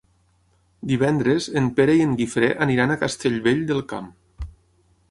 Divendres en Pere i en Guifré aniran a Castellvell del Camp.